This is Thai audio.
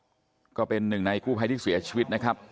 หรือว่าออฟก็เป็นหนึ่งในกู้ภัยที่เสียชีวิตนะครับ